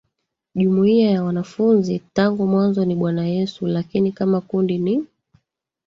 jumuiya ya wanafunzi tangu mwanzo ni Bwana Yesu Lakini kama kundi ni